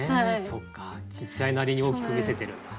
そっかちっちゃいなりに大きく見せてるんだ。